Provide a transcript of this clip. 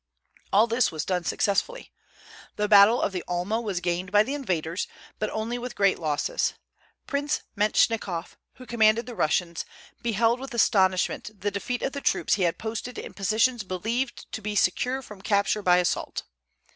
All this was done successfully. The battle of the Alma was gained by the invaders, but only with great losses. Prince Mentchikof, who commanded the Russians, beheld with astonishment the defeat of the troops he had posted in positions believed to be secure from capture by assault.